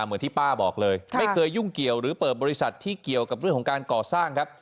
เหมือนที่ป้าบอกเลยไม่เคยยุ่งเกี่ยวหรือเปิดบริษัทที่เกี่ยวกับเรื่องของการก่อสร้างครับ